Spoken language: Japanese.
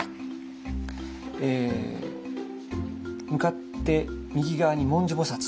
向かって右側に文殊菩。